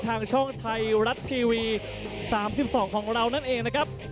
ทางช่องไทยรัฐทีวี๓๒ของเรานั่นเองนะครับ